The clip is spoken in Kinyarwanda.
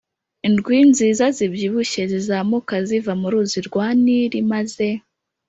Ndwi nziza zibyibushye zizamuka ziva mu ruzi rwa nili maze